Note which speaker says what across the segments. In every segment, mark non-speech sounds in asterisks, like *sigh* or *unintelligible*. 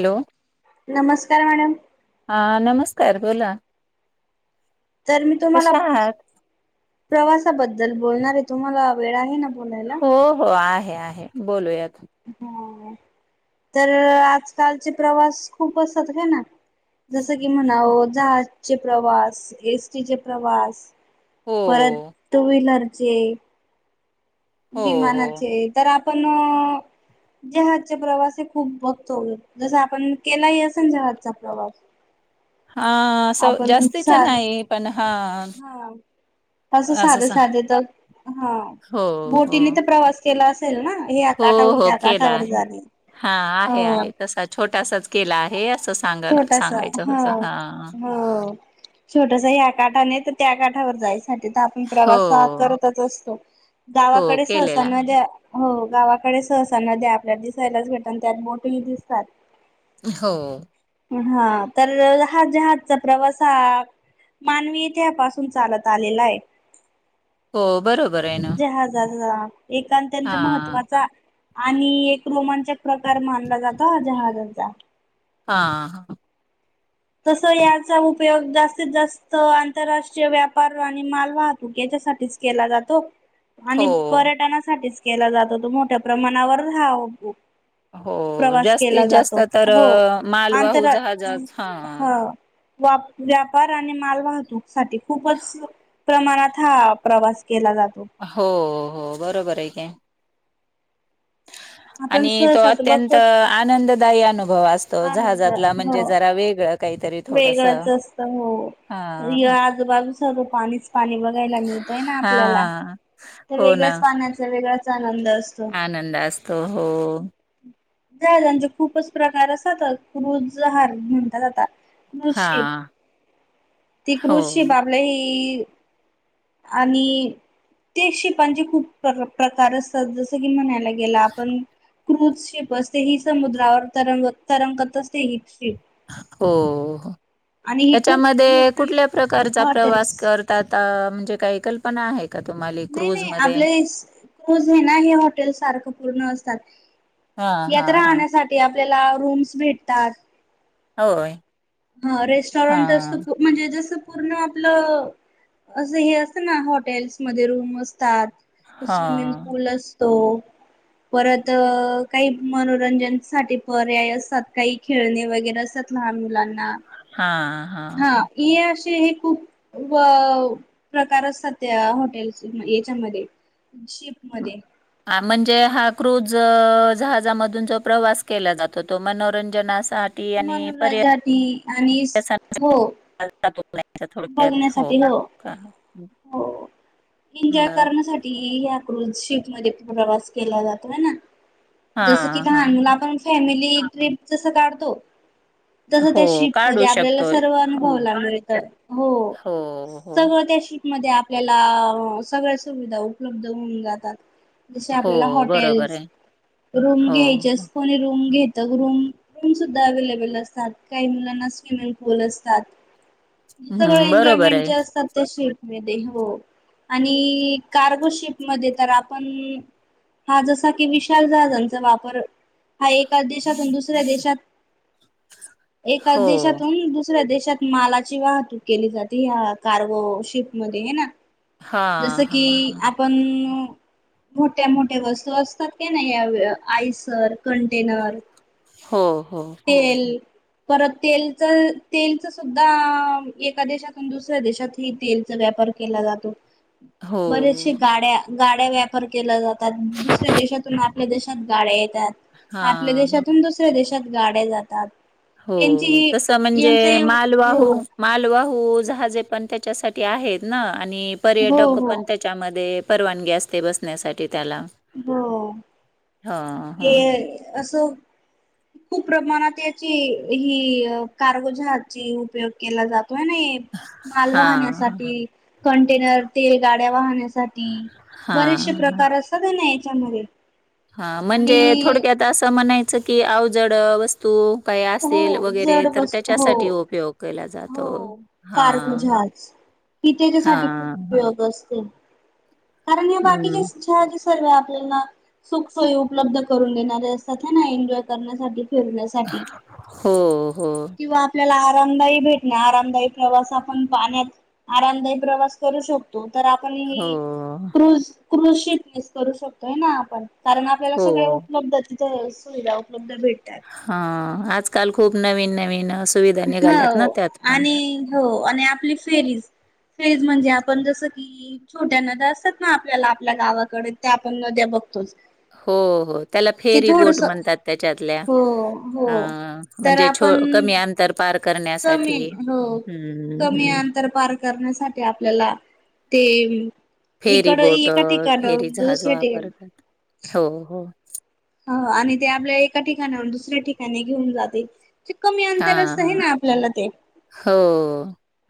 Speaker 1: Hello.
Speaker 2: नमस्कार madam.
Speaker 1: हा नमस्कार बोला.
Speaker 2: तर मी तुम्हाला
Speaker 1: कशा आहात
Speaker 2: प्रवासाबद्दल बोलणार हे तुम्हाला वेळ आहे ना, बोलायला
Speaker 1: हो हो आहे आहे बोलूयात.
Speaker 2: ह तर आजकालचे प्रवास खूप असत का ना, जसं की
Speaker 1: हो
Speaker 2: म्हणाव जहाजचे प्रवास, एसटीचे प्रवास, परत टूव्हिलरचे
Speaker 1: हो हो
Speaker 2: विमानाचे तर आपण. जहाजचा प्रवास हे खूप बघतो. आपण केलाही असे जहाजचा प्रवास
Speaker 1: हा स
Speaker 2: आपण
Speaker 1: जास्तीच
Speaker 2: सार
Speaker 1: नाही पण हा.
Speaker 2: तं
Speaker 1: असं
Speaker 2: साधे
Speaker 1: सा
Speaker 2: साधे तर हा
Speaker 1: हो हो
Speaker 2: बोटीने तर प्रवास, केला असेल ना हे या
Speaker 1: हो
Speaker 2: काठाहून
Speaker 1: हो
Speaker 2: त्या
Speaker 1: केला
Speaker 2: काठावर
Speaker 1: आहे
Speaker 2: जाणे
Speaker 1: हा आहे
Speaker 2: हो
Speaker 1: आहे तसा छोटासाच केला आहे. असं सांग
Speaker 2: छोटासा
Speaker 1: सांगायचं
Speaker 2: ह
Speaker 1: होतं हा
Speaker 2: हो. छोटस ह्या काठाने तर त्या काठावर जायचं. म्हणजे त आपण प्रवासा हा
Speaker 1: हो
Speaker 2: करतच असतो. गावा
Speaker 1: हो
Speaker 2: कडे सहसा
Speaker 1: केलेला आहे.
Speaker 2: नदया गावाकडे सहसा नद्या आपल्या दिसायलाच भेटन त्यात बोट ही दिसतात.
Speaker 1: हो.
Speaker 2: हा तर ह जहाजचा प्रवास हा. मानवीय त्यापासून चालत आलेला आहे.
Speaker 1: हो बरोबर आहे ना.
Speaker 2: ह एक
Speaker 1: हा
Speaker 2: अत्यंत महत्वाचा. आणि एक रोमांचक प्रकार मानला जातो जहाजांचा.
Speaker 1: हा हा.
Speaker 2: तस याचा उपयोग जास्तीत जास्त आंतरराष्ट्रीय व्यापार आणि माल वाहतूक. साच केला जातो.
Speaker 1: हो
Speaker 2: आणि पर्यटनासाठीच केला जातो तो मोठ्या प्रमाणावर हा.
Speaker 1: हो
Speaker 2: प्रवास केला
Speaker 1: जास्तीत जास्त
Speaker 2: जातो
Speaker 1: तर
Speaker 2: हो
Speaker 1: मालवाहू
Speaker 2: आंतरा
Speaker 1: जहाजात हा
Speaker 2: ह. वा व्यापार आणि मालवाहतूक साठी खूपच प्रमाणात हा प्रवास केला जातो
Speaker 1: हो हो बरोबर आहे का.
Speaker 2: आपण
Speaker 1: आणि तो
Speaker 2: सहसा तर
Speaker 1: अत्यंत
Speaker 2: बघतोच
Speaker 1: आनंददायी अनुभव. भव असतो
Speaker 2: आनंद
Speaker 1: जहाजातला
Speaker 2: हो
Speaker 1: म्हणजे जरा वेगळं काही.
Speaker 2: वेगळंच असत हो या आजूबाजू सर्व पाणीच पाणी बघायला मिळतय ना आपल्याला.
Speaker 1: हा
Speaker 2: तर
Speaker 1: हो ना
Speaker 2: वेगळ्याच पाण्याचा, वेगळाच आनंद असतो.
Speaker 1: आनंद असतो हो
Speaker 2: जहाजांचे खूपच प्रकार असतात क्रुज जहाज म्हणतात आाता.
Speaker 1: हा
Speaker 2: कृजषिप ती
Speaker 1: हो
Speaker 2: कृजषिप आपल्या हे आणि ते शिपांचे खूप प्र प्रकार असतात जसं की म्हणालय गेला आपण क्रुझ शिप असते हि समुद्रावर तरंग, तरंगत असते ही शिप.
Speaker 1: हो
Speaker 2: आणि ही खूप
Speaker 1: त्याच्यामध्ये
Speaker 2: मोठी
Speaker 1: कुठल्या प्रकारचा प्रवास
Speaker 2: हॉटेल्स
Speaker 1: करतात. म्हणजे काही कल्पना आहेत?
Speaker 2: नाही नाही आपले क्रूज हे ना हे हॉटेल सारखं पूर्ण असतात.
Speaker 1: हा हा
Speaker 2: यात
Speaker 1: हा
Speaker 2: राहण्यासाठी आपल्याला रूम्स भेटतात.
Speaker 1: होय.
Speaker 2: हा
Speaker 1: हा
Speaker 2: रेस्टॉरंट अस म्हणजे जस. पूर्ण आपलं असं हे असत ना हॉटेल्स मध्ये रूमस असात
Speaker 1: हा
Speaker 2: स्विमिंग पूल असतो. परत काही मनोरंजनसाठीठी पर्याय असतात काही खेळणे वगैरे असत. लहान मुलांना.
Speaker 1: हा हा हा.
Speaker 2: हे असे हे खूप प्रकार असतात त्या हॉटेल् याच्यामध्ये. शिप मध्ये.
Speaker 1: म्हणजे हा क्रुज जहाजमध जो प्रवास केला जातो तो मनोरंजना सा आणि परय
Speaker 2: मनोरंजासाठी आणि हो
Speaker 1: *inaudible*
Speaker 2: बघण्यासाठी हो हो एन्जॉय
Speaker 1: बर
Speaker 2: करण्यासाठी. म प्रवास केला जातोय जस
Speaker 1: हां, हां,
Speaker 2: कीान
Speaker 1: हां.
Speaker 2: आपण फॅमिली. जस काढतो. तसं त्या
Speaker 1: हो
Speaker 2: शिप
Speaker 1: काढू
Speaker 2: मध्ये आपल्याला
Speaker 1: शकतो.
Speaker 2: सर्व
Speaker 1: हो,
Speaker 2: अनुभवायला मिळत.
Speaker 1: हो हो.
Speaker 2: सगळं त्या शिप मध्ये आपल्याला सगळ्या सुविधा उपलब्ध होऊन जातात. जसे
Speaker 1: हो,
Speaker 2: आपल्याला
Speaker 1: बरोबर
Speaker 2: हॉटेल्स
Speaker 1: आहे.
Speaker 2: रूम
Speaker 1: हो, हो.
Speaker 2: घ्यायचेस कोणी रूम घ रूम रूम सुद्धा अव्हेलेबल असतात काही मुलांना स्विमिंग पूल असतात. सगळं
Speaker 1: हं, बरोबर
Speaker 2: एन्जॉयमेंट
Speaker 1: आहे.
Speaker 2: जे असतात ते शि हो आणि कार्गो शिप मध्ये तर आपण हा जसा की विशाल जहाजांचा वापर. हा एका देशातून दुसऱ्या देशात एका
Speaker 1: हो.
Speaker 2: देशातून दुसऱ्या देशात मालाची वाहतूक केली जाते ह्या कार्गो शिप म हे ना
Speaker 1: हां,
Speaker 2: जसं की
Speaker 1: हां, हां.
Speaker 2: आपण, मोठ्या मोठ्या वस्तू असतात का नाही या आयसर कंटेनर
Speaker 1: हो. हो.
Speaker 2: तेल परत तेलच तेलच सुद्धा एका देशातून दुसऱ्या देशात ह तेलचा व्यापार केला जातो.
Speaker 1: हो.
Speaker 2: बरेचसे गाड्या गाड्या व्यापर केला जातात दुसऱ्या देशातून आपल्या देशात गाड्या येतात आपल्या
Speaker 1: हां.
Speaker 2: देशातून दुसऱ्या देशात गाड्या जातात.
Speaker 1: हो
Speaker 2: यांची
Speaker 1: तस म्हणजे
Speaker 2: यांचही हो
Speaker 1: मालवाहू मालवाहू हु जहाजे पण त्याच्यासाठी आहेत ना आणि
Speaker 2: हो
Speaker 1: पर्यटक
Speaker 2: हो
Speaker 1: पण त्याच्यामध्ये परवानगी असते बसण्यासाठी. त्याला.
Speaker 2: हो
Speaker 1: हं,
Speaker 2: हे
Speaker 1: हं.
Speaker 2: असं खूप प्रमाणात याची ही कारगोजहाची उपयोग केला जातो. नाही माल
Speaker 1: हां, हां.
Speaker 2: वाहण्यासाठी कंटेनर तेल गाड्या वाहण्यासाठी. साठी
Speaker 1: हां,
Speaker 2: बरेचसे प्रकार असतात ना याच्यामध्ये.
Speaker 1: हा म्हणजे
Speaker 2: आणि
Speaker 1: थोडक्यात असं म्हणायचं की अवजड वस्तू काही
Speaker 2: हो
Speaker 1: असेल वगैरे
Speaker 2: जड
Speaker 1: तर
Speaker 2: वस्तू
Speaker 1: त्याच्यासाठी
Speaker 2: हो
Speaker 1: उपयोग केला जातो हा.
Speaker 2: की त्याच्यासाठी खूप उपयोग असतेो कारण या
Speaker 1: हं.
Speaker 2: बाकीच्या सर् आपल्याला सुख सोयी उपलब्ध करून देणारे असतात हे ना एन्जॉय करण्यासाठी करण्यासाठी
Speaker 1: हो हो,
Speaker 2: ला आरामदायी भेटण आरामदायी प्रवास आपण पाण्यात आरामदायी प्रवास करू शकतो. तर आपण
Speaker 1: हो,
Speaker 2: ही क्रूझ क्रूझ शितीस करू शकतोय ना. कारण आपल्याला सगळ
Speaker 1: हो.
Speaker 2: उपलब्ध तिथे सुविधा उपलब्ध भेट
Speaker 1: हा आजकाल खूप नवीन नवीन अस
Speaker 2: हो आणि हो आणि आपली फेरीज फेज म्हणजे आपण जसं की छोट्या नद्या असतात ना आपल्याला आपल्या गावाकडे त्या आपण नद्या बघतो. *unintelligible*
Speaker 1: हो हो त्याला फेरी बोट म्हणतात त्याच्यातल्या
Speaker 2: हो
Speaker 1: अ
Speaker 2: हो तर
Speaker 1: म्हणजे छो
Speaker 2: आपण
Speaker 1: कमी अंतर पार
Speaker 2: कमी
Speaker 1: करण्यासाठी.
Speaker 2: हो.
Speaker 1: हं,
Speaker 2: कमी
Speaker 1: हं.
Speaker 2: अंतर पार करण्यासाठी आपल्याला ते
Speaker 1: फेरी
Speaker 2: इकड
Speaker 1: बोट
Speaker 2: एका
Speaker 1: फेरी
Speaker 2: ठिकाणाहून
Speaker 1: जहाज
Speaker 2: दुसऱ्या ठिकाणी
Speaker 1: वापरतात हो हो.
Speaker 2: हो आणि ते आपल्या एका ठिकाणावर दुसऱ्या ठिकाणी घेऊन जाते. कमी अंतरचत आहे
Speaker 1: हां,
Speaker 2: ना आपल्याला ते.
Speaker 1: हो.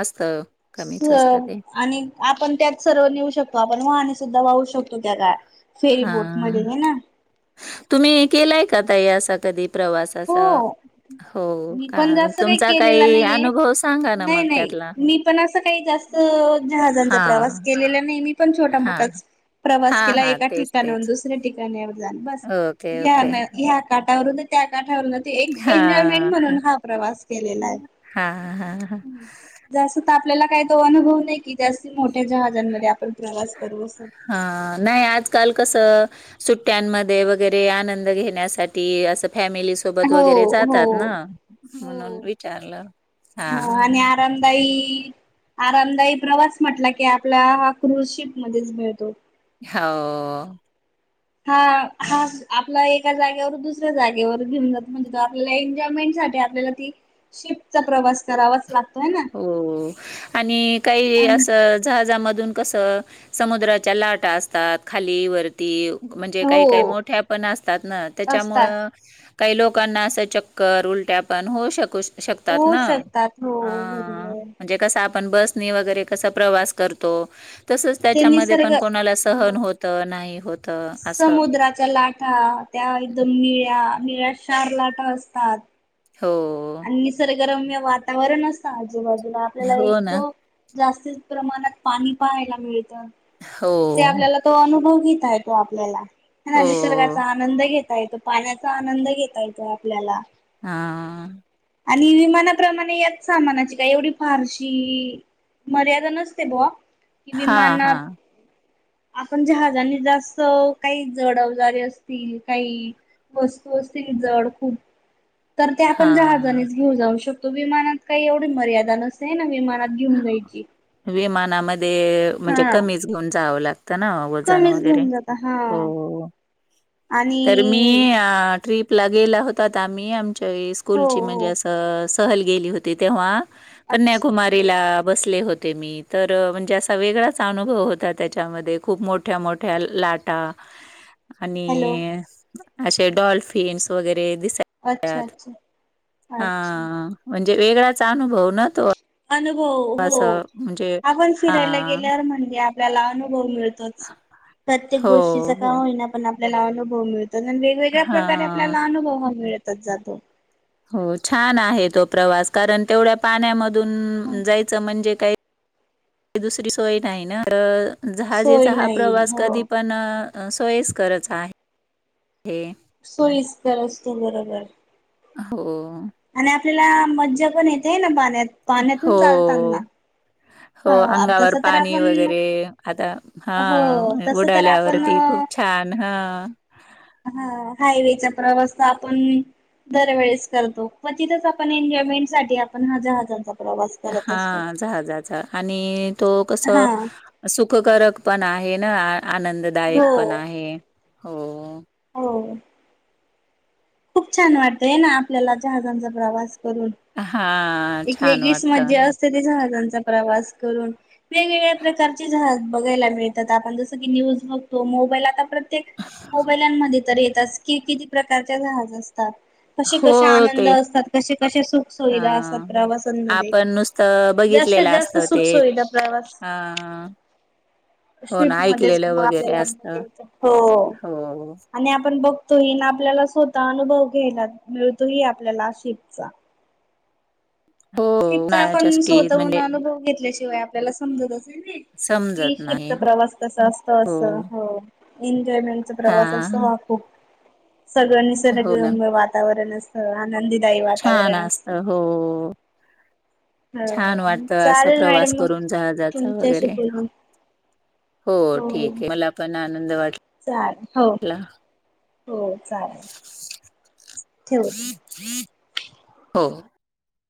Speaker 1: असतं.
Speaker 2: स
Speaker 1: कमीच असतं ते.
Speaker 2: आणि आपण त्यात सर्व नेऊ शकतो आपण वाहने सुद्धा वाहू शकतो. सत्यू त्यागा
Speaker 1: हा तुम्ही केलाय का तई असा कधी प्रवास असा.
Speaker 2: हो
Speaker 1: हो
Speaker 2: मी
Speaker 1: का
Speaker 2: पण
Speaker 1: मग
Speaker 2: जास्त
Speaker 1: तुमचा
Speaker 2: केलेला
Speaker 1: काही
Speaker 2: नाहीये
Speaker 1: अनुभव सांगा ना
Speaker 2: नाही
Speaker 1: मग
Speaker 2: नाही
Speaker 1: त्यातला?
Speaker 2: मी पण असं काही जास्त जहाजांचा
Speaker 1: हां,
Speaker 2: प्रवास
Speaker 1: हां.
Speaker 2: केलेला नाही मी. पण छोटा
Speaker 1: हां,
Speaker 2: मोठाच प्रवास
Speaker 1: हां,
Speaker 2: केला
Speaker 1: हां.
Speaker 2: एका
Speaker 1: तेच,
Speaker 2: ठिकाणाहून
Speaker 1: तेच.
Speaker 2: दुसऱ्या ठिकाणीवर. बस
Speaker 1: ओके,
Speaker 2: या
Speaker 1: ओके.
Speaker 2: ह्या काटावरून त्या कतावरण ते एक एन्जॉयमेंट
Speaker 1: हां,
Speaker 2: म्हणून
Speaker 1: हां.
Speaker 2: हा प्रवास केलेला आहे.
Speaker 1: हां, हां, हां.
Speaker 2: जसं ता आपल्याला काही तो अनुभव नाही की जास्त मोठ्या जहाजांमध्ये आपण प्रवास करू असं
Speaker 1: हा नाही आजकाल कस सुट्यांमध्ये वगैरे आनंद घेण्यासाठी अस फॅमिली सोबत
Speaker 2: हो
Speaker 1: वगैरे
Speaker 2: हो
Speaker 1: जातात ना. म्हणून विचारलं. हां,
Speaker 2: ह आणि
Speaker 1: हां.
Speaker 2: आरामदायी. आरामदायी प्रवास म्हटला की आपला हा क्रुझशिप मध्येच मिळतो.
Speaker 1: हो.
Speaker 2: हा हा आपला एका जागेवर दुसऱ्या जागेवर घेऊन जातो म्हणजे त आपल्याला एन्जॉयमेंट त्यासाठी आपल्याला ती शिपचा प्रवास करावाच लाग
Speaker 1: हो आणि काही
Speaker 2: आणि
Speaker 1: असं जहाजामध् कस समुद्राच्या लाटा असतात. खाली म्हणजे
Speaker 2: हो
Speaker 1: काही -काही मोठ्या पण असतात ना,
Speaker 2: असतात
Speaker 1: त्याच्यामुळं काही लोकांना असं चक्कर -उलट्या पण होऊ शकू शकतात
Speaker 2: होऊ
Speaker 1: ना.
Speaker 2: शकतात हो
Speaker 1: ह
Speaker 2: बरोबर
Speaker 1: म्हणजे कस आपण बसनी वगैरे कसा प्रवास करतो तसंच
Speaker 2: ते
Speaker 1: त्याच्यामध्ये
Speaker 2: निसर्ग
Speaker 1: पण कोणाला सहन
Speaker 2: हो
Speaker 1: होतं, नाही होत.
Speaker 2: समुद्राच्या लाठा त्या एकदम निळ्या निळ्याशार लाटा असतात.
Speaker 1: हो,
Speaker 2: आणि निसर्गरम्य वातावरण असत आजूबाजूला. आपल्याला एक
Speaker 1: हो ना.
Speaker 2: तो जास्त प्रमाणात पाणी पहायला मिळतं.
Speaker 1: हो,
Speaker 2: ते आपल्याला तो अनुभव घेता येतो, आपल्याला. ह ना
Speaker 1: हो.
Speaker 2: निसर्गाचा आनंद घेत येतो. पाण्याचा आनंद घेता येतो आपल्याला.
Speaker 1: हा.
Speaker 2: आणि विमानातं त्याप्रमाणे याच सामानाची काय एवढी फारशी मर्यादा नसते बवा. कि
Speaker 1: हां,
Speaker 2: विमानात
Speaker 1: हां,
Speaker 2: आपण जहाजानी जास्त काही जड अवजारी असतील काही वस्तू असतील जड खूप. तर ते आपण
Speaker 1: हां.
Speaker 2: जहाजानेच घेऊ जाऊ शकतो. विमानात काही एवढी मर्यादा नसते ना. विमान
Speaker 1: विमानामध्ये म्हणजे
Speaker 2: हा
Speaker 1: कमीच घेऊन जावं लागत. ना. वजन
Speaker 2: कमीच
Speaker 1: वगैरे.
Speaker 2: घेऊन जाता हा
Speaker 1: हो. तर मी
Speaker 2: आणि
Speaker 1: ट्रीप ला गेला होतात आम्ही. आमच्या
Speaker 2: हो
Speaker 1: स्कूलची म्हणजे
Speaker 2: हो
Speaker 1: असं, सहल गेली होती तेव्हा
Speaker 2: अच्
Speaker 1: कन्याकुमारीला बसले होते. ते मी. तर म्हणजे असा वेगळाच अनुभव होता त्याच्यामध्ये. खूप मोठ्या- मोठ्या लाटा
Speaker 2: *inaudible* हॅलो
Speaker 1: आणि असे डॉल्फिन्स वगैर रे दिसायचे
Speaker 2: अच्छा
Speaker 1: त्यात.
Speaker 2: अच्छा
Speaker 1: हा
Speaker 2: अच्छा.
Speaker 1: म्हण वेगळाचा अनुभव ना तो.
Speaker 2: अनुभव, हो.
Speaker 1: असं म्हणजे
Speaker 2: आपण फिरायला
Speaker 1: हां.
Speaker 2: गेल्यावर म्हणजे आपल्याला अनु भव मिळतोच. प्रत्येक
Speaker 1: हो,
Speaker 2: गोष्टीच का
Speaker 1: हो.
Speaker 2: होईना पण आपल्याला अनुभव मिळतो. वेगळ्या प्रकारे
Speaker 1: हां.
Speaker 2: आपल्याला अनुभव मिळतच जातो.
Speaker 1: हो छान आहे तो प्रवास. कारण, तेवढ्या पाण्यामधून जायचं म्हणजे काही दुसरी सोय नाही ना. तर
Speaker 2: सोय
Speaker 1: जहाजेचा हा
Speaker 2: नाही
Speaker 1: प्रवास कधी
Speaker 2: हो
Speaker 1: पण सोयीस्करच आहे.
Speaker 2: सोईस्कर असतो बरोबर.
Speaker 1: हो.
Speaker 2: आणि आपल्याला मज्जा पण येते, है ना पाण्यात.
Speaker 1: हो.
Speaker 2: पाण्यातून चालताना.
Speaker 1: हो अंगावर
Speaker 2: तसं तर
Speaker 1: पाणी
Speaker 2: आपण
Speaker 1: वगैरे आता, हा
Speaker 2: हो तसं तर आपण
Speaker 1: उडाल्यावरती. खूप छान. ह.
Speaker 2: हा हायवेचा प्रवास आपण दरवेेळेस करतो. मग तिथंच आपण एन्जॉयमेंटसाठी आपण हजार- हजारचा
Speaker 1: हा जाहाजाचा. आणि तो कस,
Speaker 2: हा
Speaker 1: सुखकारक पण आहे ना. आ
Speaker 2: हो
Speaker 1: आनंददायक पण आहे. हो.
Speaker 2: हो. खूप छान वाटतं है ना, आपल्याला जहाजांचा प्रवास. करून.
Speaker 1: हा.
Speaker 2: एक वेगळीच मज्जा असते ते जहाजांचा प्रवास करून वेगवेगळ्या प्रकारचे जहाज.. ायला आप ज क न्यू बघतो मो आ प्रत मो येत. कि किती प्रकारच्या जहाज असत. कसे
Speaker 1: हो,
Speaker 2: कसे आनंद
Speaker 1: ते
Speaker 2: असतात कसे कसे सुख सुुविधा
Speaker 1: हा
Speaker 2: असत. प्रवासांमध्ये
Speaker 1: आपण नुसतं
Speaker 2: जास्तीत
Speaker 1: बघितलेलं
Speaker 2: जास्त
Speaker 1: असतं ते
Speaker 2: सुखसोविधा प्रवास.
Speaker 1: हा हो
Speaker 2: स्प
Speaker 1: ना ऐकलेलं
Speaker 2: म
Speaker 1: वगैरे असत
Speaker 2: आपल्यालायच हो
Speaker 1: हो
Speaker 2: आणि आपण बघतो. आपल्याला स्वतः अनुभव घ्यायला मिळतो ह आपल्याला शिपचा.
Speaker 1: हो
Speaker 2: शीपचा
Speaker 1: उन्हाळ्याच्या
Speaker 2: आपण
Speaker 1: सुट्टीत
Speaker 2: स्वतःहणून
Speaker 1: म्हणजे
Speaker 2: अनुभव घेतल्याशिवाय आपल्याला समजत असेल ना. कि
Speaker 1: समजत नाही
Speaker 2: शिपचा प्रवास कसा असत अस हो.
Speaker 1: हा
Speaker 2: प्रवास असतो ह खूप सगळ स
Speaker 1: हो ना
Speaker 2: वातावरण असत. आनंदीदायी
Speaker 1: छान
Speaker 2: वातावरण
Speaker 1: असत
Speaker 2: असतं.
Speaker 1: हो छान
Speaker 2: हो
Speaker 1: वाटतं असा
Speaker 2: चालेल मॅडम
Speaker 1: प्रवास
Speaker 2: मग
Speaker 1: करून जहाजाचा
Speaker 2: तुमच्याशी
Speaker 1: वगैरे.
Speaker 2: बोलून
Speaker 1: हो ठीक आहे मला पण आनंद
Speaker 2: चालेल हो
Speaker 1: वाटलाला.
Speaker 2: हो, चालेल. ठेवते.
Speaker 1: *unintelligible* हो.